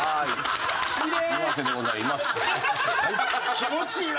気持ちいいな！